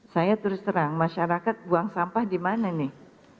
saya terus terang masyarakat buang sampah di mana nih